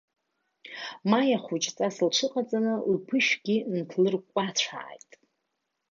Маиа хәыҷҵас лҽыҟаҵаны лԥышәгьы нҭлырқәацәааит.